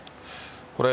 これ、